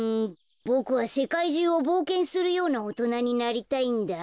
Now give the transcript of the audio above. ボクはせかいじゅうをぼうけんするようなおとなになりたいんだ。